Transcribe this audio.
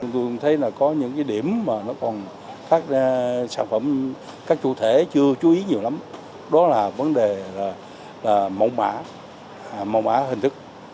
tôi thấy có những điểm mà các chủ thể chưa chú ý nhiều lắm đó là vấn đề mẫu mã mẫu mã hình thức